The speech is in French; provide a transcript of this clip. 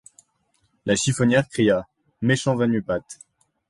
La chiffonnière cria: — Méchant va-nu-pattes!